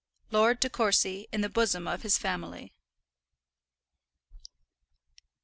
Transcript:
LORD DE COURCY IN THE BOSOM OF HIS FAMILY.